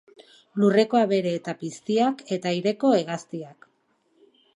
Lurreko abere eta piztiak eta aireko hegaztiak.